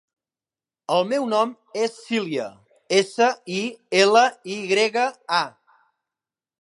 El meu nom és Silya: essa, i, ela, i grega, a.